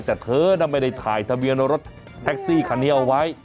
แต่เธอน่ะไม่ได้ถ่ายทะเบียนรถแท็กซี่คันนี้เอาไว้